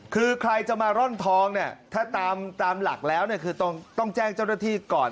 คือใครจะมาร่อนทองเนี่ยถ้าตามหลักแล้วเนี่ยคือต้องแจ้งเจ้าหน้าที่ก่อน